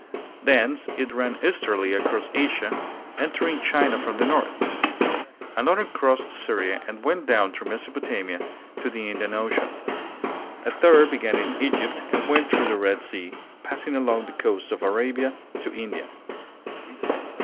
Thence it ran easterly across Asia, entering China from the north. Another crossed Syria and went down through Mesopotamia to the Indian Ocean. A third began in Egypt and went through the Red Sea, passing along the coast of Arabia to India.